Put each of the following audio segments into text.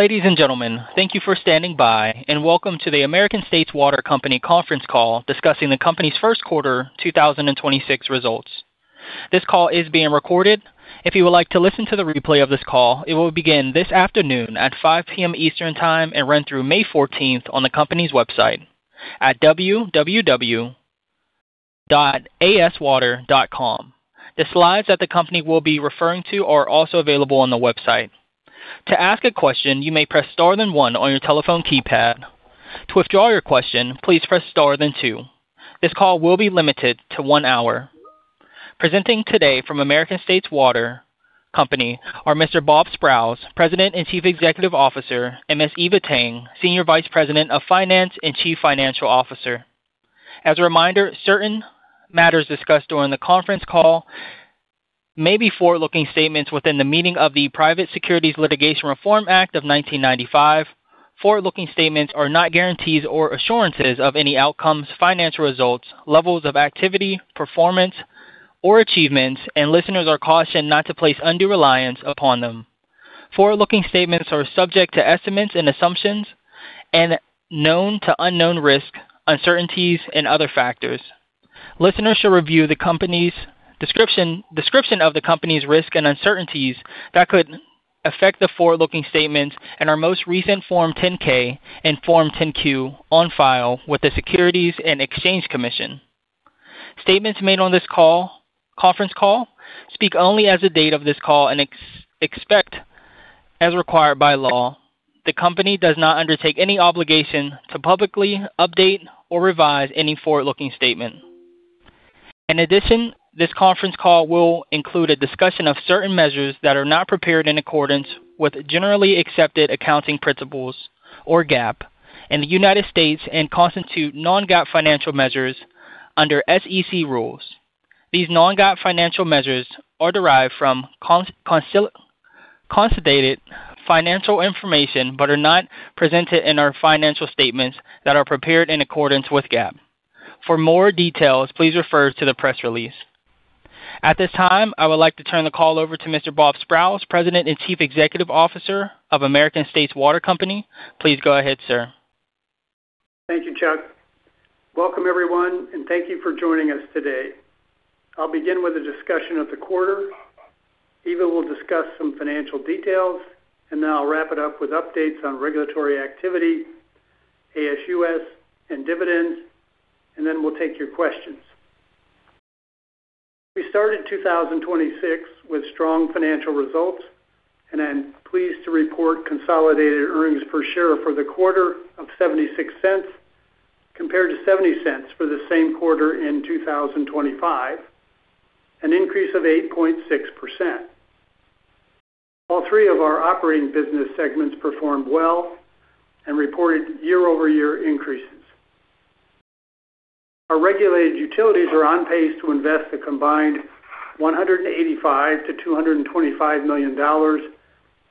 Ladies and gentlemen, thank you for standing by, and welcome to the American States Water Company conference call discussing the company's first quarter 2026 results. This call is being recorded. If you would like to listen to the replay of this call, it will begin this afternoon at 5:00 P.M. Eastern Time and run through May 14 on the company's website at www.aswater.com. The slides that the company will be referring to are also available on the website. To ask a question, you may press star then one on your telephone keypad. To withdraw your question, please press star then two. This call will be limited to 1 hour. Presenting today from American States Water Company are Mr. Robert Sprowls, President and Chief Executive Officer, and Ms. Eva Tang, Senior Vice President of Finance and Chief Financial Officer. As a reminder, certain matters discussed during the conference call may be forward-looking statements within the meaning of the Private Securities Litigation Reform Act of 1995. Forward-looking statements are not guarantees or assurances of any outcomes, financial results, levels of activity, performance, or achievements, and listeners are cautioned not to place undue reliance upon them. Forward-looking statements are subject to estimates and assumptions and known to unknown risks, uncertainties, and other factors. Listeners should review the company's description of the company's risk and uncertainties that could affect the forward-looking statements in our most recent Form 10-K and Form 10-Q on file with the Securities and Exchange Commission. Statements made on this conference call speak only as of the date of this call and are except as required by law. The company does not undertake any obligation to publicly update or revise any forward-looking statement. In addition, this conference call will include a discussion of certain measures that are not prepared in accordance with generally accepted accounting principles, or GAAP, in the U.S. and constitute non-GAAP financial measures under SEC rules. These non-GAAP financial measures are derived from consolidated financial information but are not presented in our financial statements that are prepared in accordance with GAAP. For more details, please refer to the press release. At this time, I would like to turn the call over to Mr. Robert Sprowls, President and Chief Executive Officer of American States Water Company. Please go ahead, sir. Thank you, Chuck. Welcome, everyone, and thank you for joining us today. I'll begin with a discussion of the quarter. Eva will discuss some financial details, and then I'll wrap it up with updates on regulatory activity, ASUS, and dividends, and then we'll take your questions. We started 2026 with strong financial results, and I'm pleased to report consolidated earnings per share for the quarter of $0.76 compared to $0.70 for the same quarter in 2025, an increase of 8.6%. All three of our operating business segments performed well and reported year-over-year increases. Our regulated utilities are on pace to invest a combined $185 million-$225 million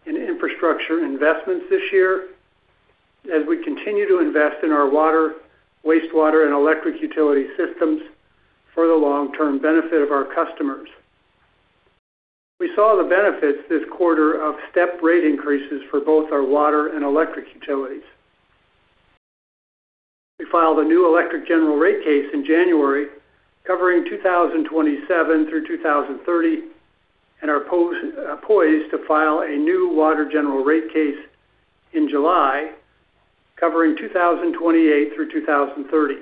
in infrastructure investments this year as we continue to invest in our water, wastewater, and electric utility systems for the long-term benefit of our customers. We saw the benefits this quarter of step rate increases for both our water and electric utilities. We filed a new electric general rate case in January, covering 2027 through 2030, and are poised to file a new water general rate case in July, covering 2028 through 2030.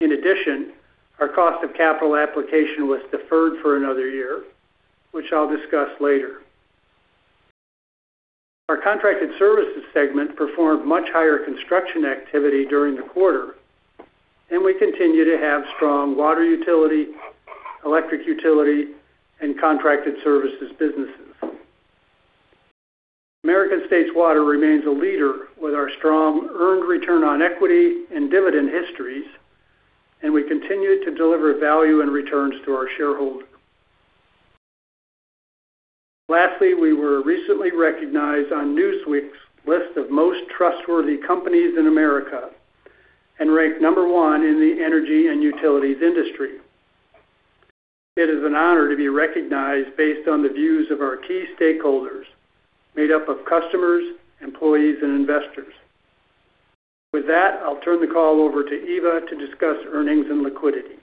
In addition, our cost of capital application was deferred for another year, which I'll discuss later. Our contracted services segment performed much higher construction activity during the quarter, and we continue to have strong water utility, electric utility, and contracted services businesses. American States Water remains a leader with our strong earned return on equity and dividend histories, and we continue to deliver value and returns to our shareholders. Lastly, we were recently recognized on Newsweek's list of Most Trustworthy Companies in America and ranked number one in the energy and utilities industry. It is an honor to be recognized based on the views of our key stakeholders, made up of customers, employees, and investors. With that, I'll turn the call over to Eva to discuss earnings and liquidity.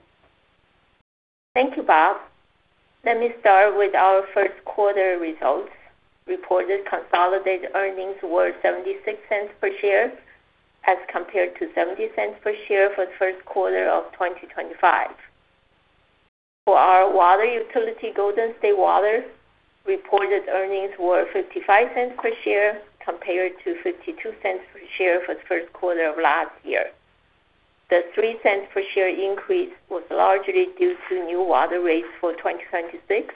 Thank you, Bob. Let me start with our first quarter results. Reported consolidated earnings were $0.76 per share as compared to $0.70 per share for the first quarter of 2025. For our water utility, Golden State Water, reported earnings were $0.55 per share compared to $0.52 per share for the first quarter of last year. The $0.03 per share increase was largely due to new water rates for 2026,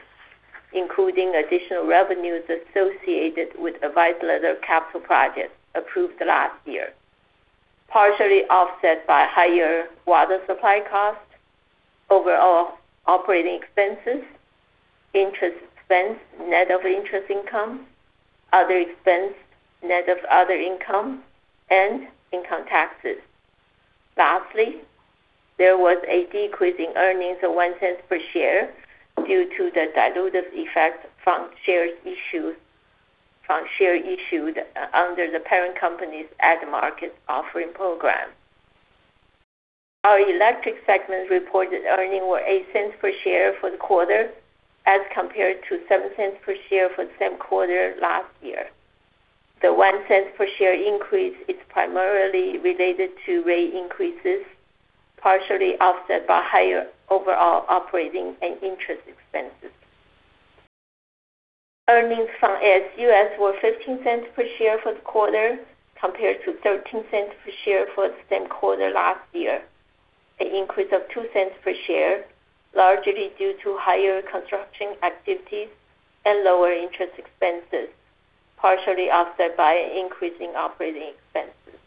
including additional revenues associated with an advice letter capital project approved last year, partially offset by higher water supply costs, overall operating expenses, interest expense, net of interest income, other expense, net of other income, and income taxes. Lastly, there was a decrease in earnings of $0.01 per share due to the dilutive effect from shares issued under the parent company's at-the-market offering program. Our electric segment reported earnings were $0.08 per share for the quarter, as compared to $0.07 per share for the same quarter last year. The $0.01 per share increase is primarily related to rate increases, partially offset by higher overall operating and interest expenses. Earnings from ASUS were $0.15 per share for the quarter, compared to $0.13 per share for the same quarter last year. The increase of $0.02 per share is largely due to higher construction activities and lower interest expenses, partially offset by increasing operating expenses.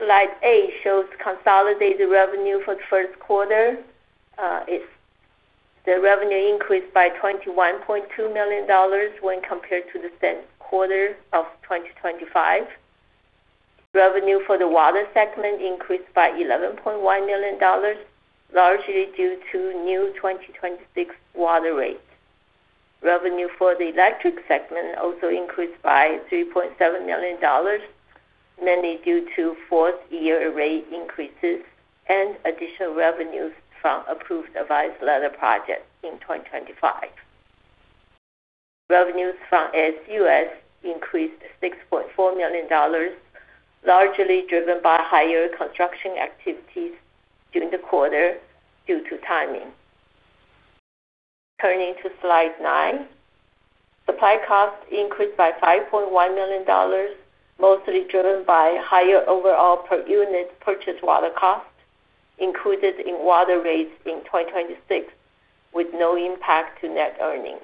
Slide eight shows consolidated revenue for the first quarter. The revenue increased by $21.2 million when compared to the same quarter of 2025. Revenue for the water segment increased by $11.1 million, largely due to new 2026 water rates. Revenue for the electric segment also increased by $3.7 million, mainly due to fourth-year rate increases and additional revenues from approved advice letter projects in 2025. Revenues from ASUS increased by $6.4 million, largely driven by higher construction activities during the quarter due to timing. Turning to slide 9. Supply costs increased by $5.1 million, mostly driven by higher overall per unit purchase water costs included in water rates in 2026, with no impact to net earnings,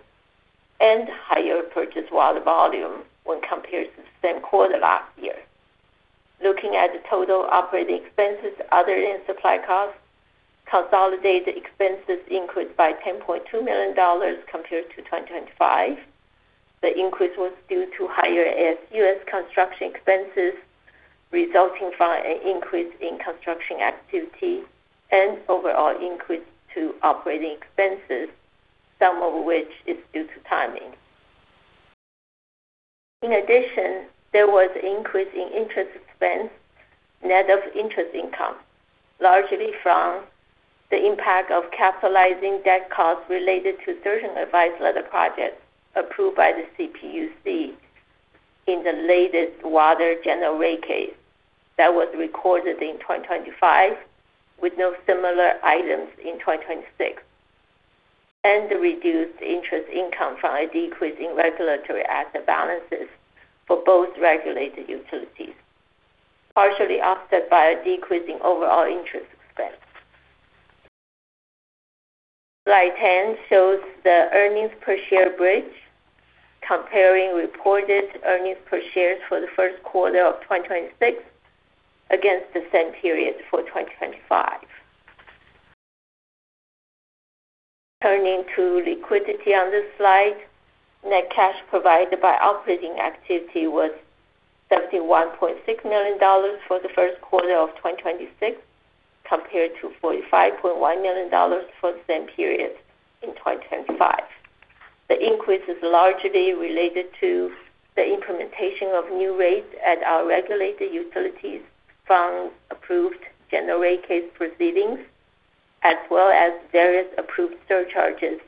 and higher purchase water volume when compared to the same quarter last year. Looking at the total operating expenses other than supply costs, consolidated expenses increased by $10.2 million compared to 2025. The increase was due to higher ASUS construction expenses resulting from an increase in construction activity and overall increase to operating expenses, some of which is due to timing. In addition, there was an increase in interest expense, net of interest income, largely from the impact of capitalizing debt costs related to certain advice letter projects approved by the CPUC in the latest water general rate case that was recorded in 2025, with no similar items in 2026, and the reduced interest income from a decrease in regulatory asset balances for both regulated utilities, partially offset by a decrease in overall interest expense. Slide 10 shows the earnings per share bridge comparing reported earnings per share for the first quarter of 2026 against the same period for 2025. Turning to liquidity on this slide, net cash provided by operating activity was $71.6 million for the first quarter of 2026, compared to $45.1 million for the same period in 2025. The increase is largely related to the implementation of new rates at our regulated utilities from approved general rate case proceedings, as well as various approved surcharges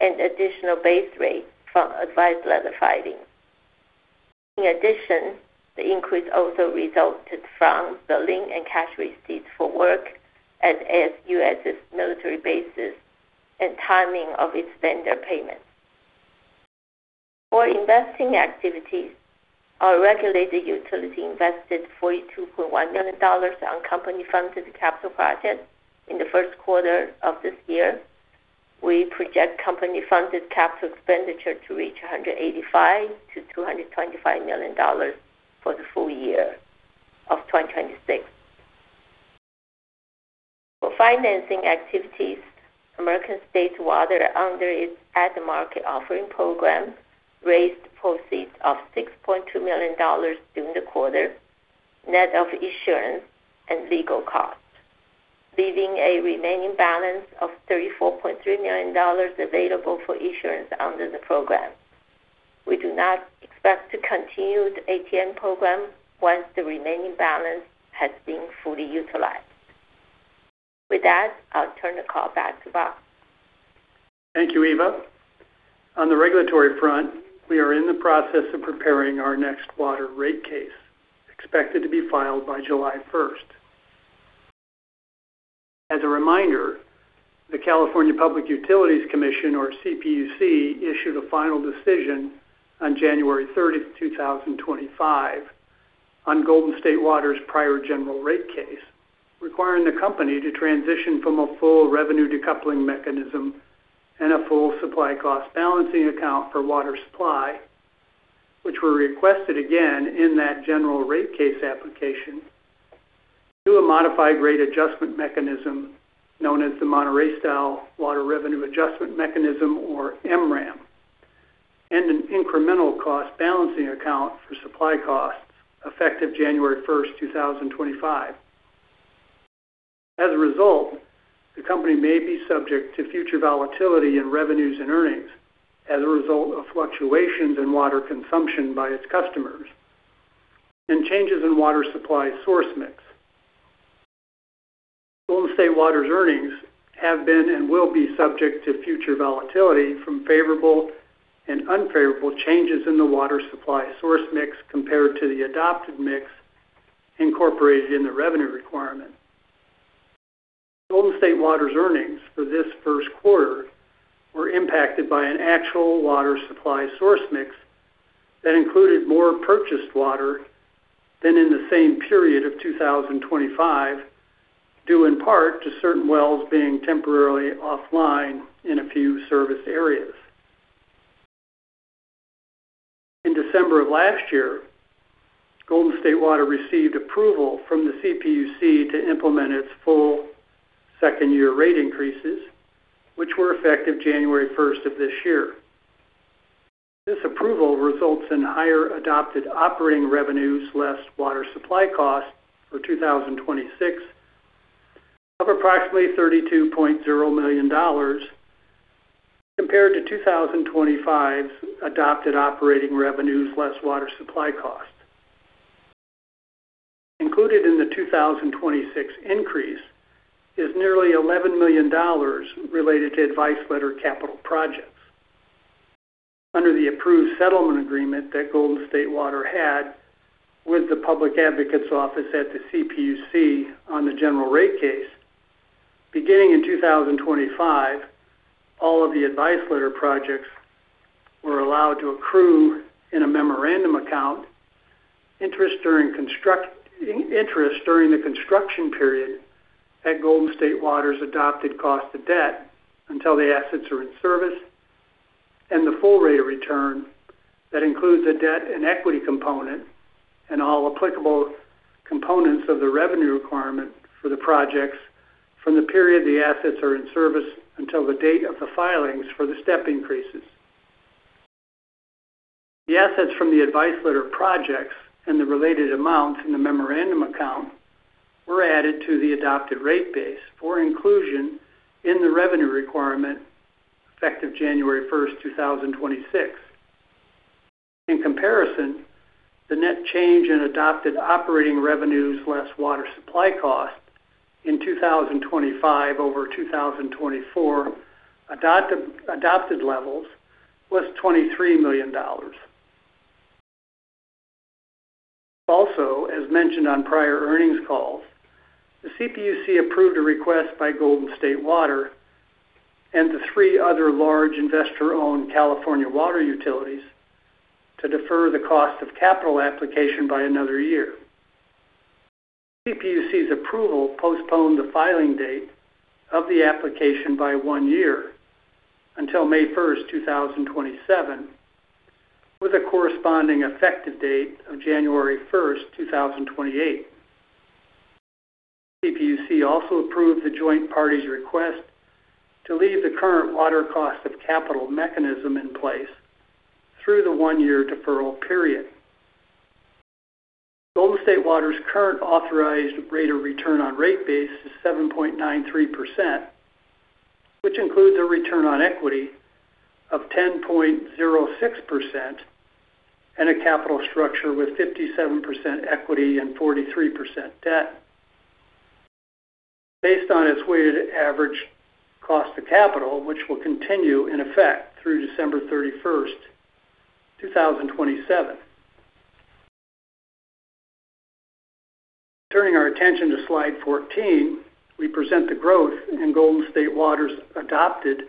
and additional base rates from advice letter filings. In addition, the increase also resulted from billing and cash receipts for work at ASUS's military bases and the timing of its vendor payments. For investing activities, our regulated utility invested $42.1 million on company-funded capital projects in the first quarter of this year. We project company-funded capital expenditure to reach $185 million-$225 million for the full year of 2026. For financing activities, American States Water, under its at-the-market offering program, raised proceeds of $6.2 million during the quarter, net of issuance and legal costs, leaving a remaining balance of $34.3 million available for issuance under the program. We do not expect to continue the ATM program once the remaining balance has been fully utilized. With that, I'll turn the call back to Rob. Thank you, Eva. On the regulatory front, we are in the process of preparing our next water rate case, expected to be filed by July 1st. As a reminder, the California Public Utilities Commission, or CPUC, issued a final decision on January 30th, 2025 on Golden State Water Company's prior general rate case, requiring the company to transition from a full revenue decoupling mechanism and a full supply cost balancing account for water supply, which were requested again in that general rate case application, to a modified rate adjustment mechanism known as the Monterey-style Water Revenue Adjustment Mechanism, or M-WRAM. An incremental cost balancing account for supply costs effective January 1st, 2025. As a result, the company may be subject to future volatility in revenues and earnings as a result of fluctuations in water consumption by its customers and changes in water supply source mix. Golden State Water's earnings have been and will be subject to future volatility from favorable and unfavorable changes in the water supply source mix compared to the adopted mix incorporated in the revenue requirement. Golden State Water's earnings for this first quarter were impacted by an actual water supply source mix that included more purchased water than in the same period of 2025, due in part to certain wells being temporarily offline in a few service areas. In December of last year, Golden State Water received approval from the CPUC to implement its full second-year rate increases, which were effective January 1st of this year. This approval results in higher adopted operating revenues, less water supply costs for 2026 of approximately $32.0 million compared to 2025's adopted operating revenues, less water supply costs. Included in the 2026 increase is nearly $11 million related to advice letter capital projects. Under the approved settlement agreement that Golden State Water had with the Public Advocates Office at the CPUC on the general rate case, beginning in 2025, all of the advice letter projects were allowed to accrue in a memorandum account interest during the construction period at Golden State Water's adopted cost of debt until the assets are in service, and the full rate of return that includes a debt and equity component and all applicable components of the revenue requirement for the projects from the period the assets are in service until the date of the filings for the step increases. The assets from the advice letter projects and the related amounts in the memorandum account were added to the adopted rate base for inclusion in the revenue requirement effective January 1st, 2026. In comparison, the net change in adopted operating revenues less water supply costs in 2025 over 2024 adopted levels was $23 million. Also, as mentioned on prior earnings calls, the CPUC approved a request by Golden State Water and the three other large investor-owned California water utilities to defer the cost of capital application by another year. CPUC's approval postponed the filing date of the application by one year until May 1st, 2027, with a corresponding effective date of January 1st, 2028. CPUC also approved the joint parties' request to leave the current water cost of capital mechanism in place through the one-year deferral period. Golden State Water's current authorized rate of return on rate base is 7.93%, which includes a return on equity of 10.06% and a capital structure with 57% equity and 43% debt. Based on its weighted average cost of capital, which will continue in effect through December 31st, 2027. Turning our attention to slide 14, we present the growth in Golden State Water's adopted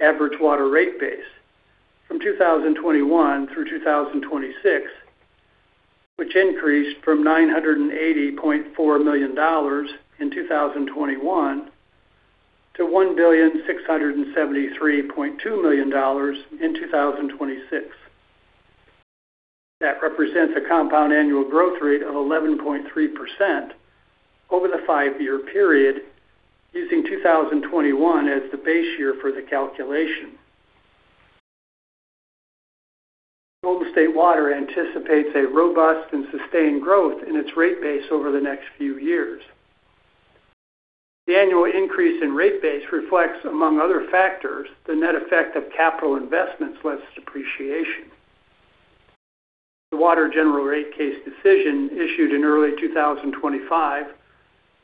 average water rate base from 2021 through 2026, which increased from $980.4 million in 2021 to $1,673.2 million in 2026. That represents a compound annual growth rate of 11.3% over the five-year period, using 2021 as the base year for the calculation. Golden State Water anticipates a robust and sustained growth in its rate base over the next few years. The annual increase in rate base reflects, among other factors, the net effect of capital investments less depreciation. The water general rate case decision issued in early 2025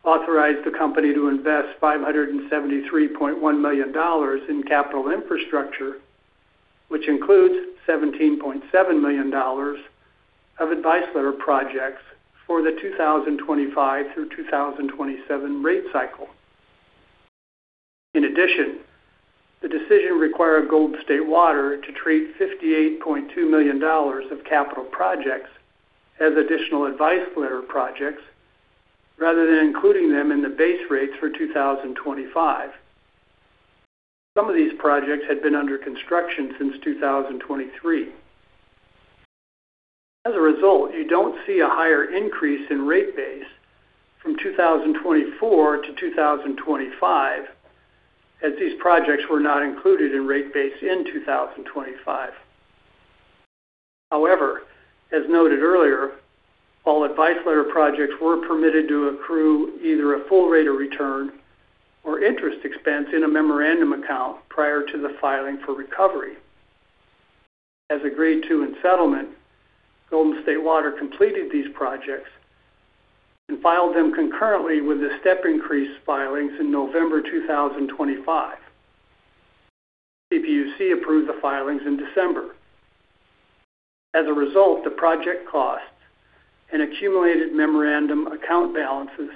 authorized the company to invest $573.1 million in capital infrastructure, which includes $17.7 million of advice letter projects for the 2025-2027 rate cycle. In addition, the decision required Golden State Water to treat $58.2 million of capital projects as additional advice letter projects rather than including them in the base rates for 2025. Some of these projects had been under construction since 2023. As a result, you don't see a higher increase in rate base from 2024 to 2025, as these projects were not included in the rate base in 2025. However, as noted earlier, all advice letter projects were permitted to accrue either a full rate of return or interest expense in a memorandum account prior to the filing for recovery. As agreed to in the settlement, Golden State Water completed these projects and filed them concurrently with the step increase filings in November 2025. CPUC approved the filings in December. As a result, the project costs and accumulated memorandum account balances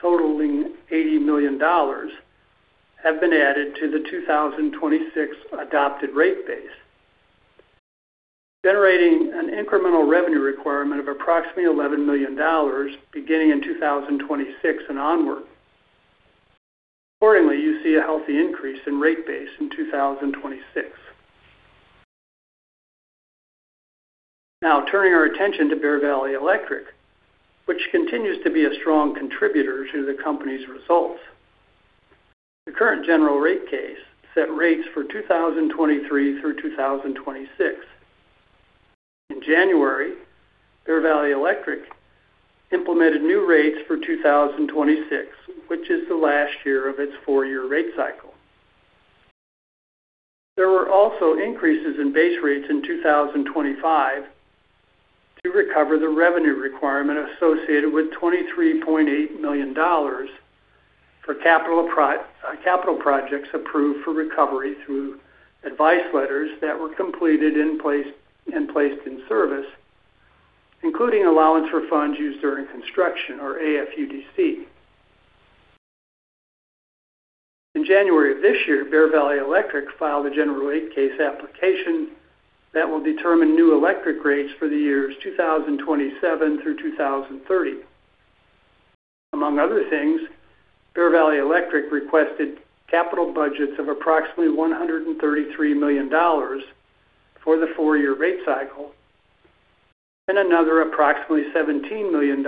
totaling $80 million have been added to the 2026 adopted rate base, generating an incremental revenue requirement of approximately $11 million beginning in 2026 and onward. Accordingly, you see a healthy increase in the rate base in 2026. Now, turning our attention to Bear Valley Electric, which continues to be a strong contributor to the company's results. The current general rate case sets rates for 2023 through 2026. In January, Bear Valley Electric implemented new rates for 2026, which is the last year of its four-year rate cycle. There were also increases in base rates in 2025 to recover the revenue requirement associated with $23.8 million for capital projects approved for recovery through advice letters that were completed and placed in service, including Allowance for Funds Used During Construction, or AFUDC. In January of this year, Bear Valley Electric filed a general rate case application that will determine new electric rates for the years 2027 through 2030. Among other things, Bear Valley Electric requested capital budgets of approximately $133 million for the four-year rate cycle and another approximately $17 million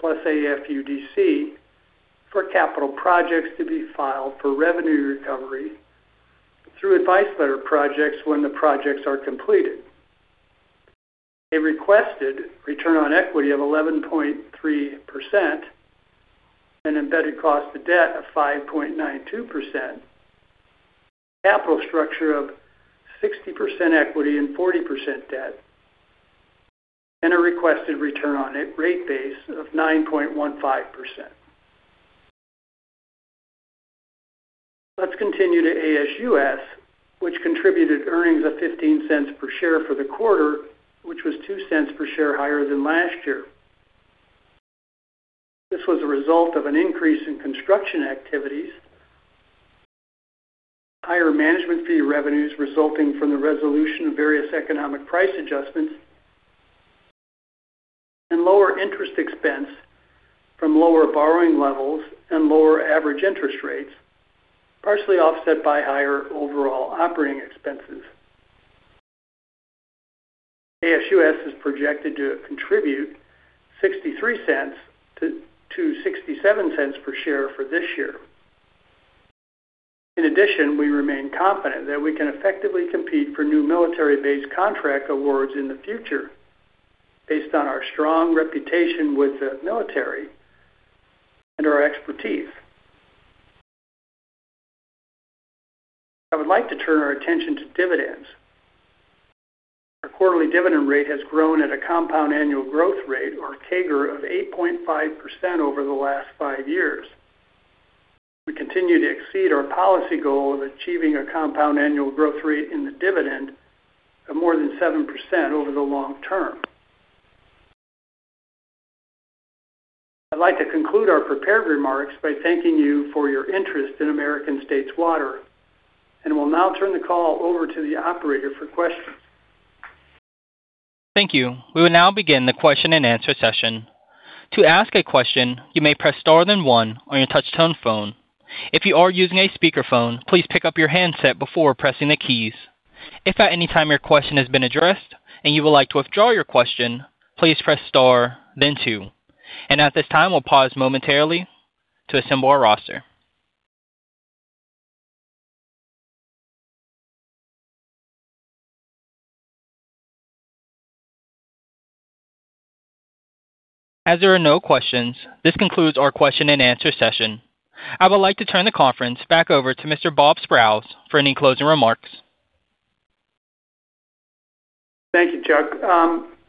plus AFUDC for capital projects to be filed for revenue recovery through advice letter projects when the projects are completed. They requested a return on equity of 11.3% and embedded cost of debt of 5.92%, a capital structure of 60% equity and 40% debt, and a requested return on a rate base of 9.15%. Let's continue to ASUS, which contributed earnings of $0.15 per share for the quarter, which was $0.02 per share higher than last year. This was a result of an increase in construction activities, higher management fee revenues resulting from the resolution of various economic price adjustments, and lower interest expense from lower borrowing levels and lower average interest rates, partially offset by higher overall operating expenses. ASUS is projected to contribute $0.63-$0.67 per share for this year. We remain confident that we can effectively compete for new military-based contract awards in the future based on our strong reputation with the military and our expertise. I would like to turn our attention to dividends. Our quarterly dividend rate has grown at a compound annual growth rate, or CAGR, of 8.5% over the last five years. We continue to exceed our policy goal of achieving a compound annual growth rate in the dividend of more than 7% over the long term. I'd like to conclude our prepared remarks by thanking you for your interest in American States Water, and I will now turn the call over to the operator for questions. Thank you. We will now begin the question-and-answer session. To ask a question, you may press star then one on your touch-tone phone. If you are using a speakerphone, please take up your handset before pressing the keys. If at any time your question has been addressed and you would like to withdraw your question, please press star then two. And at this time, we'll pause momentarily to assemble our roster. As there are no questions, this concludes our question-and-answer session. I would like to turn the conference back over to Mr. Robert Sprowls for any closing remarks. Thank you, Chuck.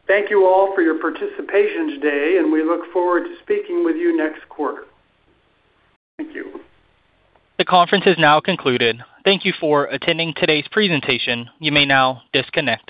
Thank you all for your participation today. We look forward to speaking with you next quarter. Thank you. The conference has now concluded. Thank you for attending today's presentation. You may now disconnect.